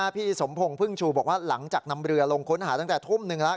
พี่สมพงศ์พึ่งชูบอกว่าหลังจากนำเรือลงค้นหาตั้งแต่ทุ่มหนึ่งแล้ว